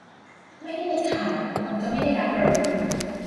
ไม่ได้เป็นข่าว คนก็ไม่ได้รับรู้